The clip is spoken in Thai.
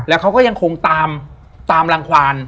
แล้วเขาก็ยังคงตามรังความ